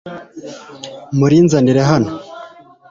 murinzanire hano